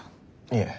いえ。